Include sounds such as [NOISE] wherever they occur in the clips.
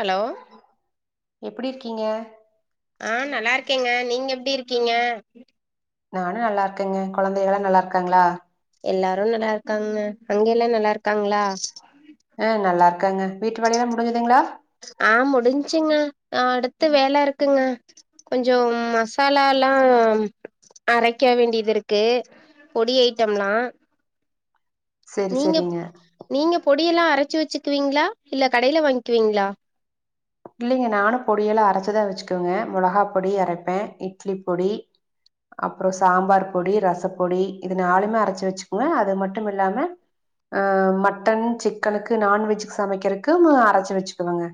Hello எப்டி இருக்கீங்க ஆ நல்லாருக்கேங்க நீங்க எப்டி இருக்கீங்க நானு நல்லா இருக்கேங்க கொழந்தைகளா நல்லா இருக்காங்களா எல்லாரு நல்லாருக்காங்கங்க அங்கையெல்லா நல்லா இருக்காங்களா ஆ நல்லா இருக்காங்க வீட்டு வேலை எல்லா முடிஞ்சதுங்களா ஆ முடிஞ்சுங்க ஆ அடுத்த வேல இருக்குங்க கொஞ்சோ மசாலல்லாம் அரைக்க வேண்டிதிருக்கு பொடி ஐட்டம்லா சரி நீங்க சரிங்க. நீங்க பொடியெல்லா அரச்சி வச்சுக்குவீங்களா இல்ல கடேல வாங்கிகுவீங்களா இல்லிங்க நானு பொடியெல்லா அரச்சிதா வச்சிக்குவேங்க மொளகா பொடி அரைப்பே இட்லி பொடி அப்றோம் சாம்பார் பொடி ரசப்பொடி இது நாளுமே அரைச்சி வச்சிக்குவன் அது மட்டும் இல்லாம ஆ மட்டன் சிக்கனுக்கு நான்வெஜிக்கு சமைக்கிறக்கு மா அரைச்சி வச்சிக்குவங்க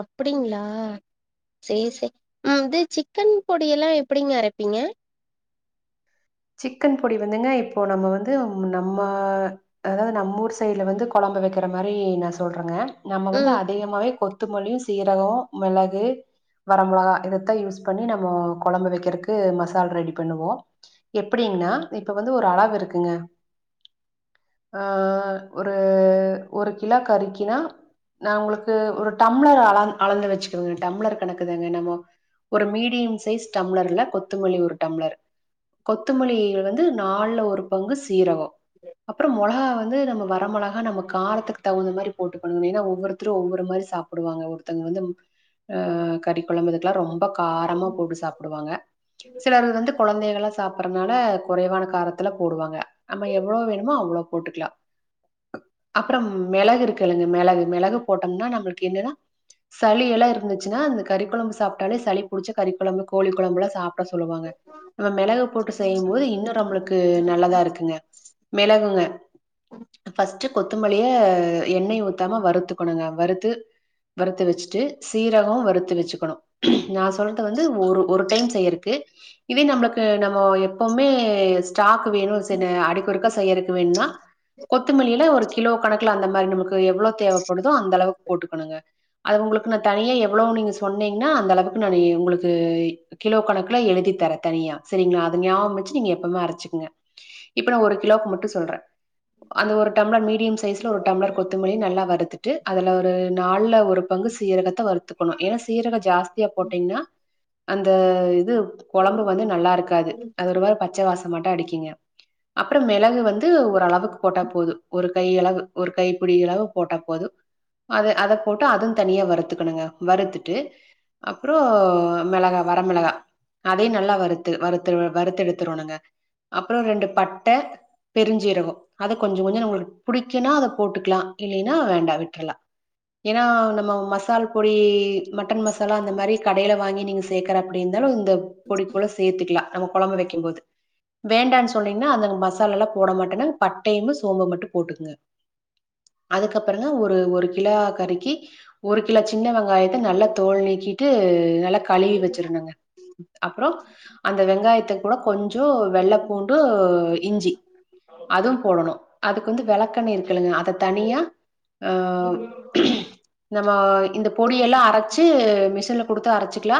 அப்டிங்கிளா சேரி சே ம் இது சிக்கன் பொடியெல்லா எப்டிங்க அரைப்பீங்க சிக்கன் பொடி வந்துங்க இப்போ நம்ம வந்து நம்ம அதாவது நம் ஊர் சைட்ல வந்து கொழம்பு வக்கிற மாரி நா சொல்றங்க நம்ம வந்து ம் அதிகமாவே கொத் த்த மல்லியு சீரகம் மெளகு வர மொளகா இதத்தா யூஸ் பண்ணி நம்மோ கொழம்பு வெக்கிறக்கு மசால் ரெடி பண்ணுவோ எப்டிங்னா இப்ப வந்து ஒரு அளவு இருக்குங்க ஆ ஒரு ஒரு கிலோ கறிக்கினா நா உங்களுக்கு ஒரு டம்ளர் அள அளந்து வச்சுக்குவேங்க டம்ளர் கணக்குதாங்க நம்மோ ஒரு மீடியம் சைஸ் டம்ளர்ல கொத்தமல்லி ஒரு டம்ளர் கொத்தமல்லில வந்து நால்ல ஒரு பங்கு சீரகோ அப்பறோ மொளகா வந்து நம்ம வர மொள ஆனா நம்ம காரத்துக்கு தகுந்த மாரி போட்டு பண்ணன்னு ஏன்னா ஒவ்வொருத்தரு ஒவ்வொரு மாரி சாப்டுவாங்க ஒருத்தங்க வந்து ஆ கறி கொழம்பு இதுக்கெல்லா ரொம்ப காரமா போட்டு சாப்டுவாங்க சிலரு வந்து கொழந்தைகளா சாப்றனால குறைவான காரத்துல போடுவாங்க நம்ம எவ்ளோ வேணுமோ அவ்ளோ போட்டுக்கிலா அப்புறம் மெளகு இருக்கு இல்லங்க மேளகு மெளகு போட்டம்னா நம்பளக்கு என்னன்னா சளியெல்லா இருந்துச்சின்னா அந்த கறி கொழம்பு சாப்ட்டாலே சளி புடிச்ச கறி கொழம்பு கோழி கொழம்புலா சாப்ட சொல்லுவாங்க நம்ம மெளக போட்டு செய்யும் போது இன்னும் நம்பளுக்கு நல்லதா இருக்கு ங்க மெளகுங்க டு ஃபஸ்ட்டு கொத்தமல்லிய எண்ணய ஊத்தாம வறுத்துக்கனுங்க வறுத்து வறுத்து வச்சிட்டு சீரகம் வறுத்து வச்சிக்கனும் நா சொல்றத வந்து ஒரு ஒரு டைம் செய்யறக்கு இதே நம்பளுக்கு நம்ம எப்பவுமே ஸ்டாக் வேணும் சென்னே அடுக்கடுக்கா செய்யறக்கு வேன்னா கொத்தமல்லில ஒரு கிலோ கணக்குல அந்த மாரி நமக்கு எவ்ளோ தேவப்படுதோ அந்த அளவுக்கு போட்டுக்கனுங்க அது உங்களுக்கு நா தனியா எவ்ளோ நீங்க சொன்னீங்கன்னா அந்த அளவுக்கு நானு ஏ உங்களுக்கு கிலோ கணக்குலா எழுதி தர தனியா சரிங்கிளா அது ஞாபகம் வச்சி நீங்க எப்பமே அரைச்சிங்க இப்ப நா ஒரு கிலோவுக்கு மட்டும் சொல்றன் அந்த ஒரு டம்ளர் மீடியம் சைஸ்ல ஒரு டம்ளர் கொத்தமல்லி நல்லா வருத்துட்டு அதுல ஒரு நாள்ல ஒரு பங்கு சீரகத்த வருத்துக்கணும் ஏனா சீரகம் ஜாஸ்தியா போட்டீங்கன்னா அந்த இது கொழம்பு வந்து நல்லா இருக்காது அது ஒரு மாரி பச்ச வாசமாட்டு அடிக்கிங்க அப்புறம் மெளகு வந்து ஓரளவுக்கு போட்டா போதும் ஒரு கை அளவு ஒரு கை புடி அளவு போட்டா போதும் அது அத போட்டு அதுவும் தனியா வறுத்துக்கனுங்க வறுத்துட்டு அப்புறம் மெளகா வரமெளகா அதையும் நல்லா வருத்து வருத் துருவ வறுத்து எடுத்தரோனுங்க அப்புறம் ரெண்டு பட்ட பெருஞ்சீரகம் அத கொஞ்சம் கொஞ்சம் நம்மளுக்கு புடிக்குன்னா அத போட்டுக்கிலா இல்லைன்னா வேண்டா விட்றலா ஏனா நம்ம மசால் பொடி மட்டன் மசாலா அந்த மாரி கடையில வாங்கி நீங்க சேக்கற அப்டி இருந்தாலும் இந்த பொடிக்கூட சேத்துக்கிலா நம்ம கொழம்பு வைக்கம்போது வேண்டான் சொன்னீங்கன்னா அந்த மசாலாலா போட மாட்டன்னா பட்டையும் சோம்பு மட்டும் போட்டுக்குங்க அதுக்கப்புறனா ஒரு ஒரு கிலா கறிக்கு ஒரு கிலோ சின்ன வெங்காய கு நல்லா தோல் நீக்கிட்டு நல்லா கழுவி வச்சிருனுங்க அப்புறம் அந்த வெங்காயத்த கூட கொஞ்சோ வெள்ள பூண்டு இஞ்சி அதுவும் போடனும் அதுக்கு வந்து வெளக்கெண்ணெய் இருக்கு இல்லங்க அத தணியா உம் நம்ம இந்த பொடிய எல்லா அரைச்சி மிஷினுல குடுத்து அரைச்சிக்கிலா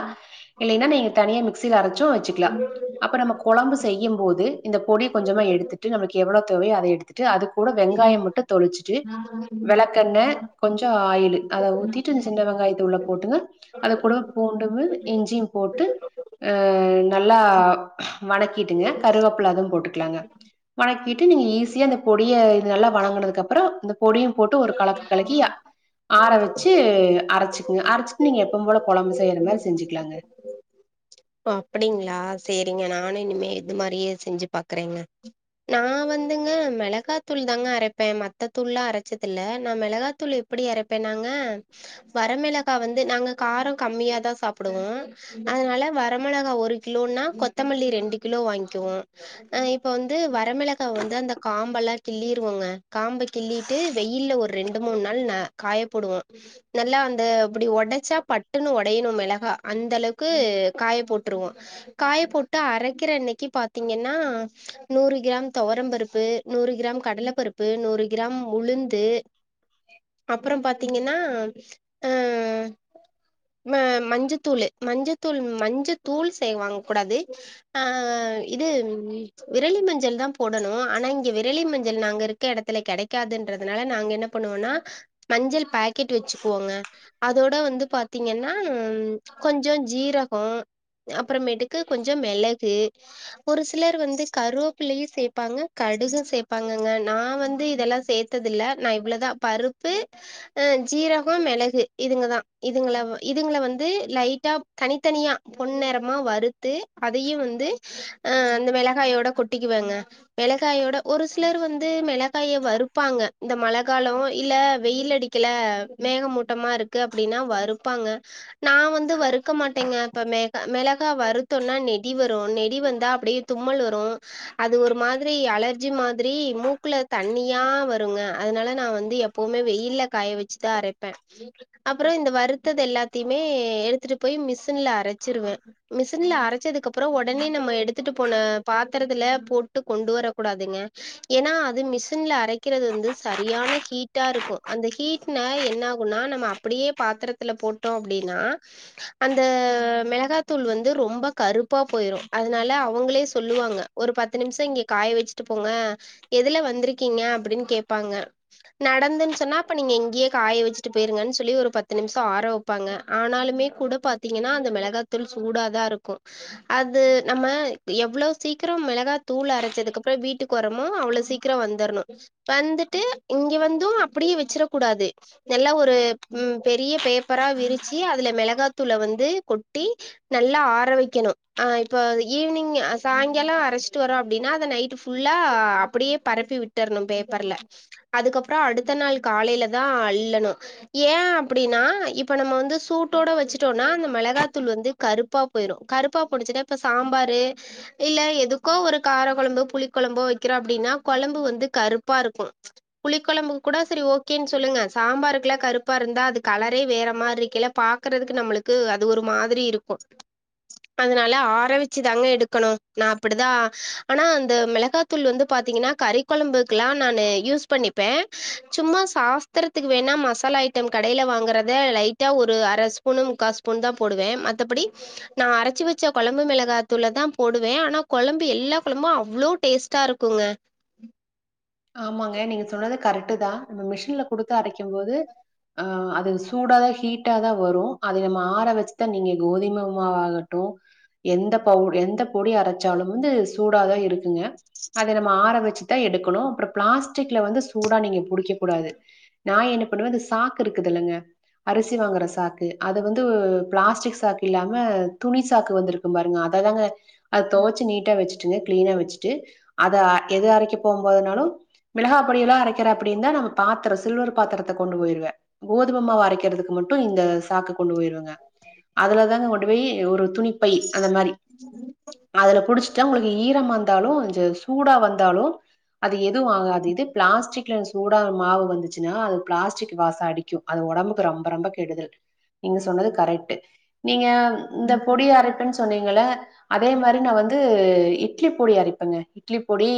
இல்லைன்னா நீங்க தனியா மிக்சில அரைச்சும் வச்சி உம் அப்ப நம்ம கொழம்பு செய்யம் போது இந்த பொடிய கொஞ்சமாக எடுத்துட்டு நம்மளுக்கு எவ்வளோ தேவையோ அத எடுத்துட் டு அது கூட வெங்காய மட்டு தொளிச்சுட்டு விளக்கெண்ண கொஞ்ச ஆயிலு அத ஊத்திட்டு அந்த சின்ன வெங்காயத்த உள்ள போட்டுங்க அது கூட பூண்டுமு இஞ்சியு போட்டு ஆ நல்லா வணக்கிட்டுங்க கருவேப்பலது போட்டுக்கலாங்க வணக்கிட்டு நீங்க ஈஸியா இந்த பொடிய இது நல்லா வணங்குனதுக்கு அப்பற இந்த பொடியும் போட்டு ஒரு கலக்கு கலக்கி ஆற வச்சு அரைச்சுக்குங்க அரைச்சிட்டு நீங்க எப்பம் போல கொழம்பு செய்யற மாரி செஞ்சுக்குலாங்க ஓ அப்டிங்களா செரிங்க நானு இனிமே இது மாரியே செஞ்சு பாக்குறேங்க நா வந்துங்க மிளகாய் தூள் தாங்க அரப்பே மத்த தூள்ல்லாம் அரைச் ச்சத்துல நா மெளகாத்தூள எப்டி அரைப்பேனாங்க வரமெளகா வந்து நாங்க காரம் கம்மியாதா சாப்டுவோம் அதனால வரமிளகா ஒரு கிலோன்னா கொத்தமல்லி ரெண்டு கிலோ வாங்க்கிவோம் ஆ இப்ப வந்து வரமெளகாய வந்து அந்த காம்பெல்லா கிள்ளிருவோங்க காம்ப கிள்ளி ட்டு வெயில்லா ஒரு ரெண்டு மூணு நாள் ந காய போடுவோ நல்லா அந்த அப்டி உடைச்சா பட்டுன்னு உடையணு மிளகாய் அந்த அளவுக்கு காய போட்டுருவோ காய போட்டு அரைக்கிற அன்னைக்கி பாத்தீங்கன்னா நூறு கிராம் துவரம் பருப்பு நூறு கிராம் கடலை பருப்பு நூறு கிராம் உளுந்து அப்பற பாத்தீங்கனா ஆ ஆ மஞ்சத்தூளு மஞ்சத்தூள் மஞ்சத்தூள் சே வாங் கூடாது ஆ இது விரளி மஞ்சள் தா போடணு ஆனா இங்க விரளி மஞ்சள் நாங்கருக் க்க இடத்துல கிடைக்காதுன்றதுனால நாங்க என்ன பண்ணுவோம்னா மஞ்சள் பாக்கெட் வச்சுக்குவோங்க அதோட வந்து பாத்தீங்கன்னா கொஞ்சோ ஜீரகோ அப்பறமேட்டுக்கு கொஞ்ச மெளகு ஒரு சிலர் வந்து கருவேப்பிள்ளையும் சேப்பாங்க கடுகு சேப்பாங்கங்க நான் வந்து இதெல்லா சேர்த்தது இல்ல நா இவ்வளதா பருப்பு ஆ ஜீரகம் மிளகு இதுங்கதா இதுங்கள இதுங்கள வந்து லைட்டா தனித்தனியா பொன் நெரமா வறுத்து அதையு வந்து ஆ அந்த மெளகாயோட கொட் டிக்காவங்க மெளகாயோட ஒரு சிலர் வந்து மெளகாய வறுப் பாங்கா இந்த மழகாலோ இல்ல வெயில் அடிக்கல மேகமூட்டமா இருக்கு அப்டின்னா வருப்பாங்க நா வந்து வறுக்க மாட்டேங்க இப்ப மெகா மெளகா வருத்தோன்னா நெடி வரு நெடி வந்தா அப்டியே தும்மல் வரு அது ஒரு மாதிரி அலர்ஜி மாதிரி மூக்குல தண்ணியா வருங்க அதனால நா வந்து எப்பவுமே வெயில்ல காய வச்சுதா அரைப்ப அப்ரோ இந்த வருத்தது எல்லாத்தையுமே எடுத்துட்டு போய் மிஷின்ல அரச்சிருவ மிசின்ல அரச்சதுக்கு அப்பறோ உடனே நம்ம எடுத்துட்டு போன பாத்திரத்துல போட்டு கொண்டு வர கூடாதுங்க ஏன்னா அது மிசின்ல அரைக் கறது வந்து சரியான ஹீட்டா இருக்கு அந்த ஹீட்ன என்ன ஆகுனா நம்ம அப்டியே பாத்ரத்துல போட்டோ அப்டின்னா அந்த மெளகாத்தூள் வந்து ரொம்ப கருப்பா போயிரு அதனால அவங்களே சொல்லுவாங்க ஒரு பத்து நிம்ச இங்க காய வச்சுட்டு போங்க எதுல வந்திருக்கீங்க அப்டின்னு கேப்பாங்க நடந்துன் சொன்னா அப்ப நீங்க இங்கயே காய வச்சுட்டு போயிருங்கன்னு சொல்லி ஒரு பத்து நிம்சோ ஆரவ ப்பாங்க ஆனாலுமே கூட பாத்தீங்கன்னா அந்த மெ ளகாத்தூள் சூடாதா இருக்கு அது நம்ம எவ்லோ சீக்ரோ மெளகாதூள் அரசதுக்கப்ரோ வீட்டுக் வரமோ அவ்ளோ சீக்ரோ வந்துர்ணு வந்துட்டு இங்க வந்து அப்டியே வச்சிர கூடாது நல்லா ஒரு ம் பெரிய பேப்பரா விரிச்சி அதுல மெளகாத்தூல வந்து கொட்டி நல்லா ஆரவக்கணு ஆ இப்போ ஈவினிங் சாயங்கலோ அரைச்சிட்டு வருரோ அப்டின்னா அத நைட்டு ஃபுல் ஃபுல்லா அப்டியே பரப்பி விட்டர்ன்னு பேப் வர்ல அதுக்கப்றோ அடுத்த நாள் காலையிலதா அள்ளணு ஏ அப்டின்னா இப்ப நம்ம வந்து சூட்டோட வச்சுட்டோனா அந்த மெளகாத்தூள் வந்து கருப்பா போயிரு கருப்பா போணுச்சுன்னா இப்ப சாம்பாரு இல்ல எதுக்கோ ஒரு கார கொழம்பு புளி கொழம்போ வக்கிறோ அப்டின்னா கொழம்பு வந்து கருப் ப்பாருக்கு புளி கொலம்புக்கு கூட சரி ஓகேன் சொல்லுங்க சாம்பாருக்குல்லா கருப்பாருந்தா அது கலரே வேற மாரி இருக்கில்ல பாக்றதுக்கு நம்மளுக்கு அது ஒரு மாதிரி இருக்கு இப்ப அதனால ஆர வெச்சு தாங்க எடுக்கனு நா அப்டிதா ஆனா அந்த மெளகா தூள் வந்து பாத்தீங்கன்னா கறி கொழம்பு க்ளான் நானு யூஸ் பண்ணிப்பே சும்மா சாஸ்திரத்துக்கு வேண்ணா மசாலா ஐட்டம் கடைல வாங்றத லைட் [UNINTELLIGIBLE] ஒரு அற ஸ்பூனு முக்கா ஸ்பூன் தா போடுவ மத்தபடி நா அரச்சு வச்ச கொழம்பு மெளகாத்தூலதா போடுவே ஆனா கொழம்பு எல்லா கொழம்பு அவ்ளோ டேஸ்ட் [UNINTELLIGIBLE] இருக்குங்க ஆமாங்க நீங்க சொன்னது கரெக்டுதா நம்ம மிஷின்ல குடுத்து அரைக்கும் போது அ அது சூடாதா ஹீட்டாதா வரு அத நம்ம ஆற வச்சுதா நீங்க கோதிமை மாவாகட்டு எந்த பவு எந்த பொடி அரைச்சாலு வந்து சூடாகதா இருக்குங்க அத நம்ம ஆற வச்சுத்தா எடுக்கணு அப்ரோ பிளாஸ்டிக்ல வந்து சூடா நீங்க புடிக்க கூடாது நா என்ன பண்ணுவே அந்த சாக்கு இருக்குதுல்லங்க அரிசி வாங்குற சாக்கு அது வந்து பிளாஸ்டிக் சாக்கு இல்லாம துணி சாக்கு வந்துருக் ம்பாருங்க அததாங்க அத தொவச்சு நீட்டா வச்சுட்டுங்க கிளீனா வச்சுட்டு அத எத அரைக்க போம் போதுனாலு மெளகா பொடியெல்லா அரைக்கிறாப்டிருன்தா நம்ம பாத்துரோ சில்வர் பாத்ரத்த கொண்டு போயிருவ கோதும மாவு அரைக்கிறதுக்கு மட்டு இந்த சாக்கு கொண்டு போயிருவங்க அதுல தாங்க கொண்டு போய் ஒரு துணிப்பை அந்த மாரி [INAUDIBLE] அதுல புடிச்ட்டா உங்களுக்கு ஈரமாருந்தாலு இச்சு சூடா வந்தாலு அது எத் து ஆகாது இது பிளாஸ்டிக்ல சூடா மாவு வந்துச்சுன்னா அது பிளாஸ்டிக் வாசோ அடிக்கு அது ஒடம்புக்கு ரொம்ப ரொம்ப கெடுதல் நீங்க சொன்னது கரெக்ட்டு நீங்க இந்த பொடி அரைப்பன் சொன்னீங்களே அதே மாரி நா வந்து அ இட்லி பொடி அரைப்பங்க இட்லி பொடி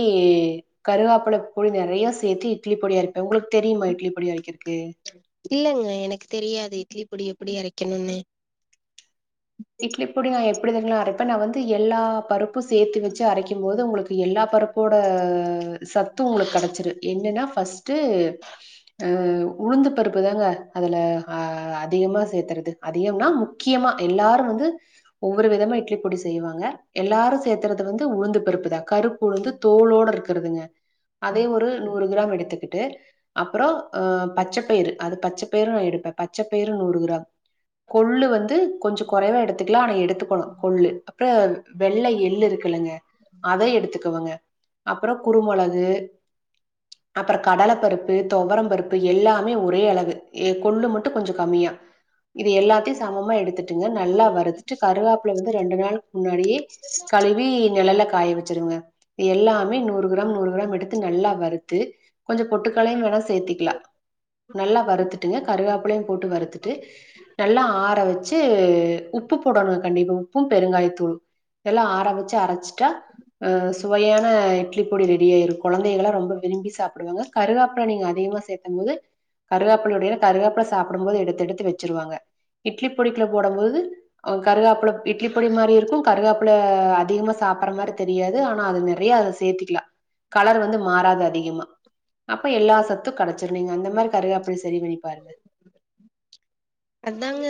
கருவாப் புள பொடி நறைய சேத்தி இட்லி பொடி அரைப்பே உங்களுக்கு தெரியுமா இட்லி பொடி அரைக்கிக்கு இல்லங்க எனக்கு தெரியாது இட்லி பொடி எப்டி அரைக்கணுன்னு இட்லி பொடி நா எப்டி தெரிங்களா அரைப்பே நா வந்து எல்லா பருப்பு சேத்து வச்சு அரைக்கும் போது உங்களுக்கு எல்லா பருப்போட சத்து உங்களுக்கு கடைச்சிரு என்னன்னா ஃபர்ஸ்ட்டு ஆ உளுந்து பருப்புதாங்க அதுல ஆ அதிகமாக சேத்துறது அதிகம்னா முக்கியமா எல்லாரு வந்து ஒவ்வொரு விதமா இட்லி பொடி செய்வாங்க எல்லாரு சேத்தறது வந்து உளுந்து பருப்புதா கருப்பு உளுந்து தோலோட இருக்கறதுங்க அதே ஒரு நூறு கிராம் எடுத்துக்கிட்டு அப்புறோ அ பச்சை பயிறு அது பச்சைப்பயிரு நா எடுப்பே பச்சைப்பயிரு நூறு கிராம் கொள்ளு வந்து கொறைவா எடுத்துக்கலா ஆனா எடுத்துக்கணு கொள்ளு அப்புறோ வெள்ள எள்ளு இருக்குலங்க அத எடுத்துக் குனுங்க அப்புறோ குரு மொளகு அப்பற கடல பருப்பு தொவரம் பருப்பு எல்லாமே ஒரே அளவு எ கொள்ளு மட்டு கொஞ்சோ கம்மியா இது எல்லாத்தையு சமமா எடுத்துட்டுங்க நல்லா வருதுட்டு கருவாப்புல வந்து ரெண்டு நாளுக் முன்னாடியே கலுவி நெழல்ல காய வச்சிருங்க எல்லாமே நூறு கிராம் நூறு கிராம் எடுத்து நல்லா வருத்து கொஞ்சோ பொட்டுக்களையு வேணா சேத்திக்கலா நல்லா வறுத்துட்டுங்க கருவேப்புலையும் போட்டு வறுத்துட்டு நல்லா ஆற வச்சு உப்பு போடணும் கண்டிப்பா உப்பு பெருங்காயத்தூள் எல்லா ஆரவச்சி அரைச்சிட்டா அ சுவையான இட்லி பொடி ரெடிய ஆயிரும் கொழந்தைகளா ரொம்ப விரும்பி சாப்பிடுவாங்க கருவேப்புல நீங்க அதிகமா சேக்கும் போது கருவேப்லோட கருவேப்புல சாப்பிடும் போது எடுத்து எடுத்து வச்சிருவாங்க இட்லி ல போடும் போது கருவேப்புல இட்லி பொடி மாரி இருக்கும் கருவேப்புல அதிகமா சாப்பற மாரி தெரியாது ஆனா அது நறைய அது சேத்திக்கலா கலர் வந்து மாறாது அதிகமா அப்ப எல்லா சத்தும் கனச்சிரும் நீங்க அந்த மாரி கருவேம்புல செரி பண்ணிப்பாருங்க அதாங்க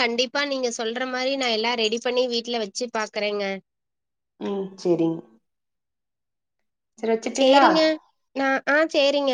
கண்டிப்பா நீங்க சொல்ற மாரி நா எல்லா ரெடி பண்ணி வீட்ல வச்சி பாக்குறேங்க ம் செரிங்க வச்சுட்டுங்களா? செரிங்க நா ஆ செரிங்க